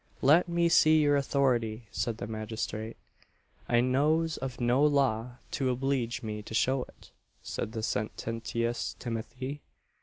"Let me see your authority," said the magistrate. "I knows of no law to obleege me to show it," said the sententious Timothy.